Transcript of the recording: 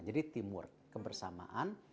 jadi teamwork kebersamaan